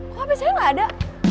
kok hp saya gak ada